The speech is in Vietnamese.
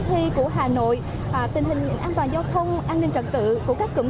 thì em nào cũng được trên năm mươi